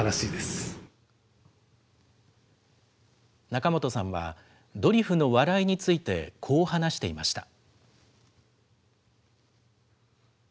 仲本さんは、ドリフの笑いについて、こう話していました。